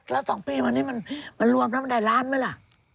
แล้ว๒ปีวันนี้มันรวมแล้วมันได้ล้านไหมล่ะ